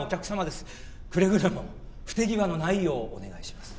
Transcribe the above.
くれぐれも不手際のないようお願いします。